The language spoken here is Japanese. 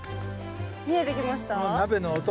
見えてきました？